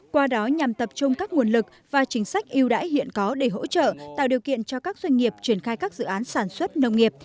qua đó nhằm tập trung các nguồn lực và chính sách yêu đãi hiện có để hỗ trợ tạo điều kiện cho các doanh nghiệp triển khai các dự án sản xuất nông nghiệp